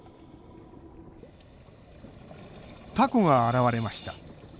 タコが現れました。